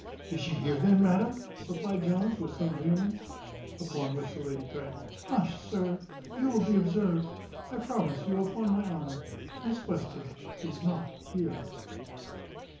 "Is she here, then, madam?" replied Jones, with some vehemence. Upon which the lady cried "Hush, sir, you will be observed. I promise you, upon my honour, Miss Western is not here."